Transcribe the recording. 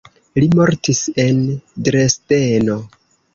Li mortis en Dresdeno.